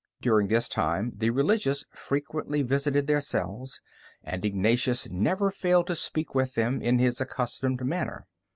During this time the Religious frequently visited their cells, and Ignatius never failed to speak with them in his accustomed manner.